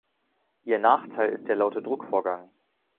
Ihr Nachteil ist der laute Druckvorgang.